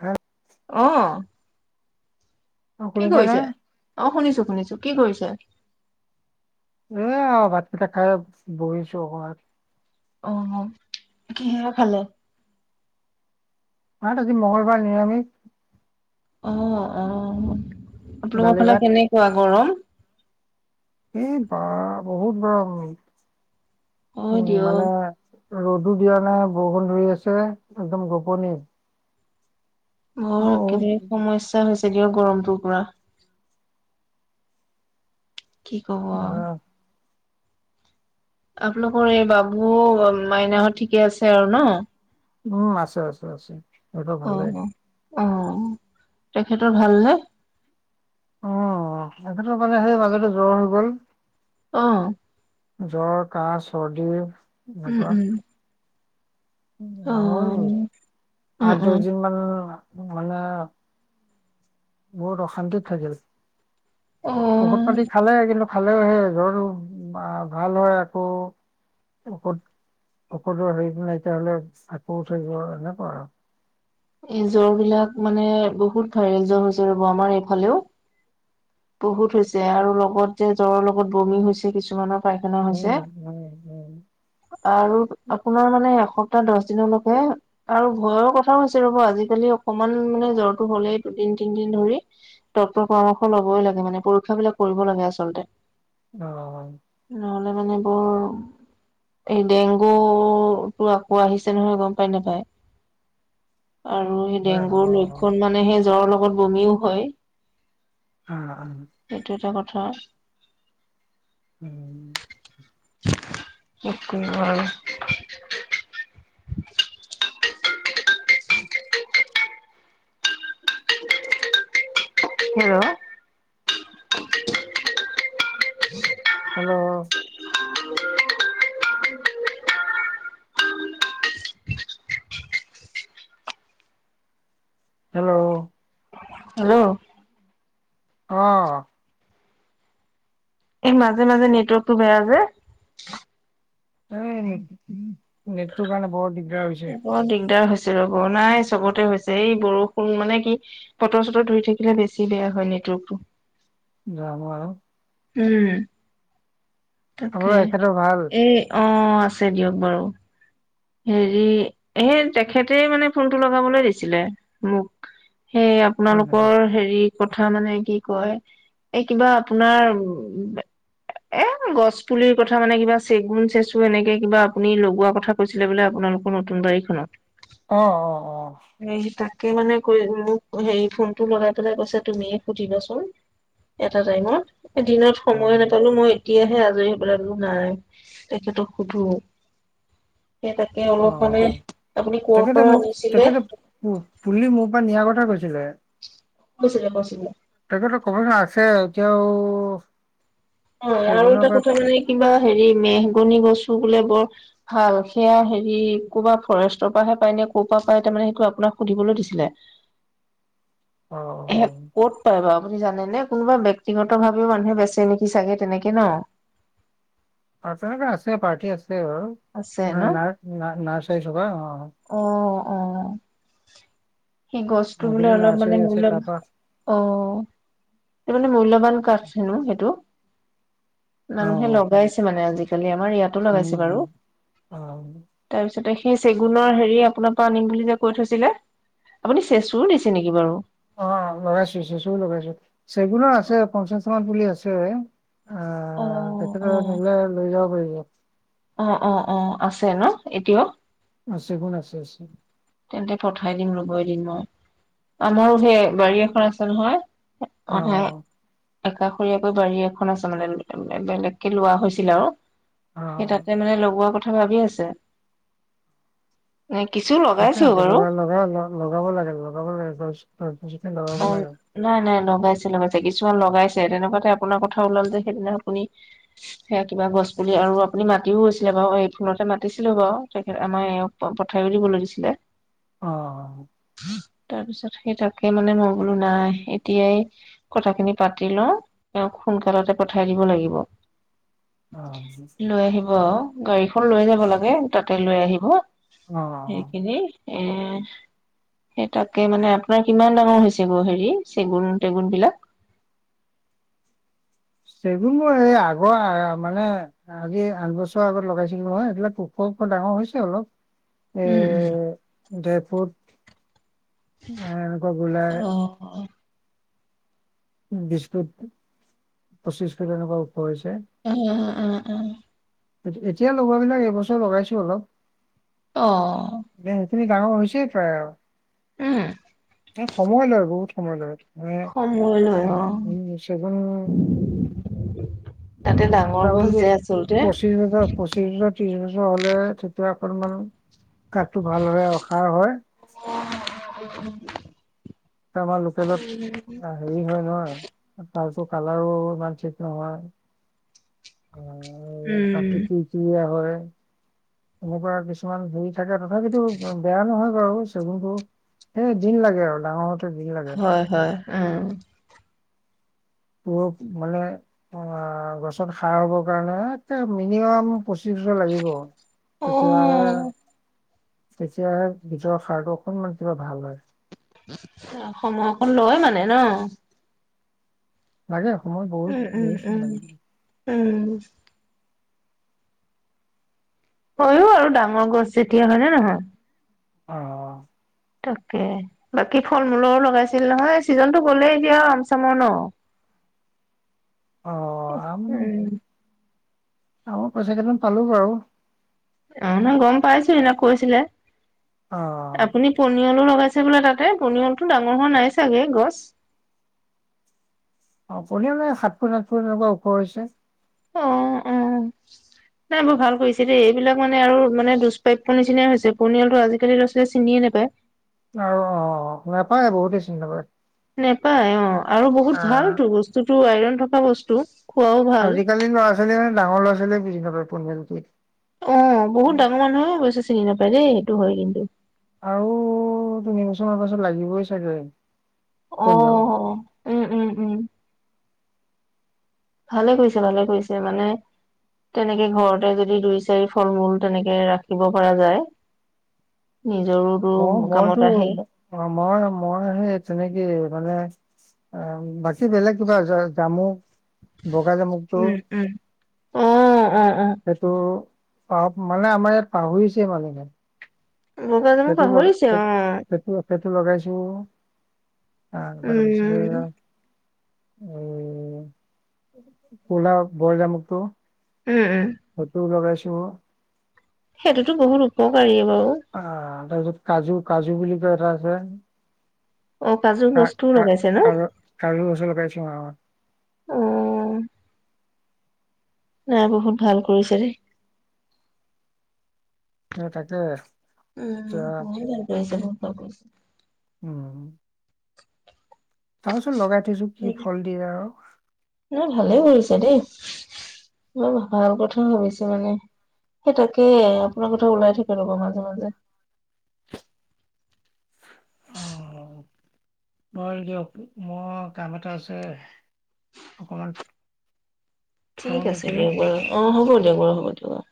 হা? অঁ। অ কি শুনিছানে কৰিছে? এ অঁ, শুনিছো শুনিছো কি কৰিছে? এয়া ভাতকেইটা খাই বহিছো অকমান। অঁ, কিহে খালে। ভাত আজি মঙ্গলবাৰ নিৰামিষ। অঁ', -অঁ', আপোনালোকৰ দালি ফালে ভাত কেনেকুৱা গৰম? এই বাঃ বহুত গৰম, হয় উম' মানে দিয়ক ৰ'দো দিয়া নাই বৰষুণ ধৰি আছে একদম গপনি। হয়, একেবাৰে বহুত বেলেগ সমস্যা হৈছে দিয়ক গৰমটোৰ পৰা। কি ক'ব আও। মানে আপোনালোকৰ এই বাবু মাইনাহত ঠিকে আছে আৰু ন'? উমঁ, আছে-আছে-আছে, সিহঁতৰ ভালেই। অঁ', তেখেতৰ ভাল নে? অঁ', তেখেতৰ মানে সেই মাজতো জ্বৰ হৈ গ'ল। অঁ',। জ্বৰ, কাহ, চৰ্দি। এনেকুৱা উম-উম। আৰু উম আঠ, দ'হ উম দিন মান মানে- বহুত অশান্তিত থাকিল। অ ঔষধ পাতি খালে কিন্তু খালে সেই জ্বৰটো ভা-ভাল হয় আকৌ- ঔষধ-ঔষধৰ হেৰি নাইকীয়া হ'লে আকৌ উঠে জ‌্বৰ এনেকুৱা আৰু। এই জ্বৰ বিলাক মানে বহুত হয়, ভাইৰেল জ্বৰ হৈছে ৰব আমাৰ এইফালেও- বহুত হৈছে আৰু লগত যে জ্বৰৰ লগত বমি হৈছে কিছুমানৰ- পাইখানা উম হৈছে। উম উম আৰু আপোনাৰ মানে এসপ্তাহ দ'হ দিনলৈকে- আৰু ভয়ৰ কথাও হৈছে ৰ'ব আজিকালি অকণমান মানে জ্বৰটো হ'লেই দুদিন-তিনদিন ধৰি- তথ্য পৰামৰ্শ ল'বই লাগে মানে পৰীক্ষাবিলাক কৰিব লাগে আচলতে। অ'। নহ'লে মানে বৰ- এই ডেংগু টো আকৌ আহিছে নহয় গম পায় নে নাপাই। আৰু সেই হয় ৰ'ব। ডেংগুৰ লক্ষণ মানে সেই জ্বৰৰ লগত বমিও হয়। [unintelligible] এইটো এটা কথা। [unintelligible] উঠো আৰু। হেল্ল'। হেল্ল'। হেল্ল'। হেল্ল'। অঁ'। এই মাজে-মাজে নেটৱৰ্কটো বেয়া যে। উমঁ, নেটটোৰ কাৰণে বৰ দিগদাৰ হৈছে। বৰ দিগদাৰ হৈছে ৰ'ব। নাই, চবতে হৈছে এই বৰষুণ মানে কি- বতৰ-চটৰ ধৰি থাকিলে বেছি বেয়া হয় নেটৱৰ্কটো। যাম আৰু। উমঁ' আপোনাৰ তাকে, এখেতৰ ভাল এই অঁ', আছে দিয়ক বাৰু। হেৰি এই তেখেতে মানে ফোনটো লগাবলৈ দিছিলে মোক। সেই হয় নেকি আপোনালোকৰ- হেৰি কথা মানে কি কয় এই কিবা আপোনাৰ উ এ' গছ পুলিৰ কথা মানে কিবা চেগুন, চেচু এনেকে কিবা আপুনি লগোৱা কথা কৈছিলে বোলে আপোনালোকৰ নতুন বাৰিখনত। অ অ অ। এই তাকে মানে কৈ মোক হেৰি ফোনটো লগাই পেলাই কৈছে তুমিয়ে সুধিবাচোন। এটা টাইমত এ দিনত অ সময়ে নাপালো মই এতিয়াহে আজৰি হয় পেলাই বোলো নাই তেখেতক সোধো। তাকে তাকে অ অ, তেখেতে মোৰ আনিছিলে তেখেতে পু পুলি মোৰ পৰা নিয়াৰ কথা কৈছিলে। কৈছিলে কৈছিলে। তাকেইটো কবচোন আছে এতিয়াও হয় আৰু চেগুনৰ এটা পাত কথা মানে কিবা হেৰি মেহগনি গছো বোলে বৰ ভাল সেয়া হেৰি ক'বা ফৰেষ্টৰ পৰাহে পায় নে ক'ৰ পৰা পায় তাৰমানে সেইটো আপোনাক সুধিবলৈ দিছিলে। [inaudible] অ অ। এ ক'ত পায় বাও আপুনি জানেনে কোনোবা ব্যক্তিগত ভাবেও মানুহে বেচে নেকি চাগে তেনেকে ন? অ তেনেকুৱা আছে পাৰ্টি আছে বাৰু আছে না ন না নাৰ্চাৰী থকা অ। অ অ সেই গছটো বোলে মাজুলী অলপ মানে নাৰ্চাৰী আছে মূল্য তাৰপৰা অ, সেইটো বোলে মূল্যৱান কাঠ হেনো সেইটো। মানুহে লগাইছে মানে আজিকালি আমাৰ ইয়াত উম উম অ। তাৰপিছতে সেই চেগুনৰ হেৰি আপোনাৰ পৰা আনিম বুলি যে কৈ থৈছিলে আপুনি চেচুও দিছে নিকি বাৰু? অ, লগাইছো চেচুও লগাইছো চেগুনো আছে পঞ্চাশটা মান পুলি আছে। আ অ তেখেতে অ নিলে লৈ যাব পাৰিব। অ অ অ, আছে ন এতিয়াও? আছে চেগুন আছে আছে। তেন্তে পঠাই দিম ৰ'ব এদিন মই। আমাৰো সেই বাৰী এখন আছে নহয় অ অ [unintelligible] একাষৰীয়াকৈ বাৰী এখন আছে মানে বেলেগকে লোৱা হৈছিল আৰু। সেই তাতে মানে লগোৱা কথা ভাবি আছে ইনে কিছু লগাইছে সেইটো কাৰণে লগাই লগাব লাগে লগাব লাগে গছ গছ-গছনি অ লগাব লাগে। নাই নাই লগাইছে লগাইছে কিছুমান লগাইছে তেনেকুৱাতে আপোনাৰ কথা ওলাল যে সেইদিনা আপুনি সেইয়া কিবা গছ পুলি আৰু আপুনি মাতিও গৈছিলে বাও এই ফোনতে মাতিছিলো বাও তেখেত আমাৰ এওঁক পঠাইও দিবলৈ দিছিলে। অ অ। তাৰপিছত সেই তাকে মানে মই বোলো নাই এতিয়াই কথাখিনি পাতি লওঁ এওঁক সোনকালতে পঠাই দিব লাগিব। অ। লৈ আহিব আৰু গাড়ীখন লৈ যাব লাগে তাতে লৈ আহিব অ', সেইখিনি এ সেই তাকে মানে আপোনাৰ কিমান ডাঙৰ হৈছে গৈ হেৰি চেগুন-টেগুনবিলাক? চেগুনবোৰ এই আগৰ আৰ মানে আজি আঠ বছৰৰ আগত লগাইছিলো নহয় সেইবিলাক ওখ ওখ ডাঙৰ হৈছে অলপ। এ উম উম ডেৰ ফুট এ এনেকুৱা গোলাই অ অ। বিশ ফুট, পঁচিশ ফুট এনেকুৱা ওখ হৈছে। [unintelligible] এত এতিয়া লগোৱাবিলাক এইবছৰ লগাইছো অলপ। অ'। এ সেইখিনি ডাঙৰ হৈছে প্ৰায় আৰু। উম। এ সময় লয় বহুত সময় লয়। মানে সময় লয় এ অ'। উম চেগুন তাতে ডাঙৰ গছ যে আছ পঁচিছ হাজাৰ পঁচিছ হাজাৰ ত্ৰিশ বছৰ হলে তেতিয়া অকনমান কাঠটো ভালদৰে ৰখা হয়। অ, অ অ অ। তা আমাৰ লোকেলত আ হেৰি হয় নহয় আ তাৰ চু কালাৰো ইমান ঠিক নহয়। অ', উম, কাঠটোক কি কি দিয়া হয়। এনেকুৱা কিছুমান ধুই থাকে তথাপিতো ব বেয়া নহয় বাৰু চেগুনটো। এ দিন লাগে আৰু ডাঙৰ হওতে দিন লাগে। হয় হয় অ। পষ মানে অ গছত সাৰ হবৰ কাৰণে তে মিনিমাম পঁচিছ হেজাৰ লাগিব তেতিয়া অ', তেতিয়াহে গীতৰ সাৰটো অকনমান কিবা ভাল হয়। অ সময়কন লয় মানে ন? লাগে সময় বহুত উম, উম, বহুতচোন উম, লাগিব। উম। হয়ো আৰু ডাঙৰ গছ যেতিয়া হয় নে নহয়? অ। তাকে বাকী ফল - মূলৰ লগাইছিল নহয় চিজনটো গ'লে এতিয়া আম - চামৰ ন? অ আম [unintelligible] উম। আমৰ পইচাকেইটামান পালো বাৰু। অ নহয় গম পাইছো সেইদিনা কৈছিলে, অ। আপুনি পোন নিয়লো লগাইছে বোলে তাতে পনিয়লটো ডাঙৰ হোৱা নাই চাগে গছ? অ পনিয়ল মানে সাত ফুট সাত ফুট এনেকুৱা ওখ হৈছে। অ', অ', [inaudible] নাই বৰ ভাল কৰিছে দেই এইবিলাক মানে আৰু মানে দুষ্প্ৰাপ্য নিচিনাই হৈছে পণিয়ালটো আজিকালি ল'ৰা - ছোৱালীয়ে চিনিয়ে নাপায়। আৰু অ, নাপায় বহুতেই চিনি নাপায়। নেপায় অ আৰু বহুত আহ ভালতো বস্তুটো আইৰন থকা বস্তু, খোৱাও ভাল। কালি লৰা - ছোৱালী ডাঙৰ লৰা - ছোৱালীয়ে বিজি নাপায় পনীয়ল কি। অ বহুত ডাঙৰ মানুহে অৱশ্যে চিনি নাপায় দেই সেইটো হয় কিন্তু। আৰু তিনি বছৰমানৰ পাছত লাগিবই চাগে অ পনিয়ল। উম উম উম ভালে কৰিছে ভালে কৰিছে মানে তেনেকে ঘৰতে যদি দুই, চাৰি ফল - মূল তেনেকে ৰাখিব পৰা যায়। নিজৰো মই মইতো মই মই সেই তেনেকে মানে অ বাকী বেলেগ কিবা আছে জামু, বগা জামু উম উম, অ অ অ। ত' পাহ মানে আমাৰ ইয়াত পাহৰিছে মানুহে। বগা জামু সেইটো লগাই, পাহৰিছে সেই অ সেইটো সেইটো লগাইছো। উম [unintelligible] [unintelligible] উম উম। ফটো লগাইছো। সেইটোতো বহুত উপকাৰীয়ে বাৰু। অ' তাৰপিছত কাজু কাজু বুলি কয় এটা আছে। অ কাজু গছটোও লগাইছে ন [unintelligible] অ এইয়া বহুত ভাল কৰিছে দেই। সেই তাকে! উম এতিয়া বহুত ভাল কৰিছে বহুত ভাল কৰিছে। উম। তাৰ পিছত লগাই থৈছো, কি ফল দিয়ে আৰু। সেই ভালেই কৰিছা দেই! বৰ ভাল কথা ভাবিছো মানে। সেই তাকেই! আপোনাৰ কথা ওলাই থাকে ৰ'ব মাজে মাজে। হয় দিয়ক! মোৰ কাম এটা আছে। [unintelligible] ঠিক আছে নেকি দিয়ক বাৰু! অ' হ'ব দিয়ক বাৰু হ'ব দিয়ক।